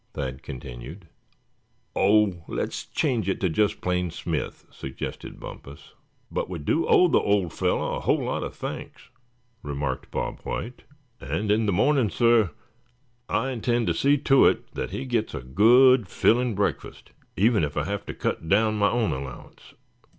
Thad continued. "Oh! let's change it to just plain Smith," suggested Bumpus. "But we do owe the old fellow a whole lot of thanks," remarked Bob White. "And in the morning, suh, I intend to see to it that he gets a good filling breakfast, even if I have to cut down my own allowance."